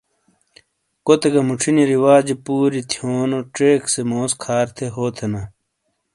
کوتے گہ موچھینے رواجے پورئیے تھیونو چیک سے موس کھار تھے ہو تھینا۔